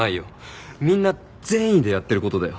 みんな善意でやってることだよ。